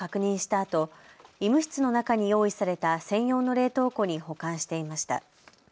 あと医務室の中に用意された専用の冷凍庫に保管していました。